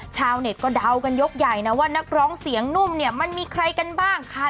ชาวเน็ตก็เดากันยกใหญ่นะว่านักร้องเสียงนุ่มเนี่ยมันมีใครกันบ้างคะ